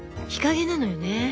日陰なのよね。